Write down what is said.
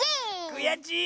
くやちい。